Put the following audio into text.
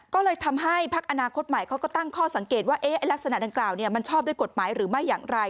ก็เลยทำให้พักอนาคตใหม่เขาก็ตั้งข้อสังเกตว่าลักษณะดังกล่าวมันชอบด้วยกฎหมายหรือไม่อย่างไร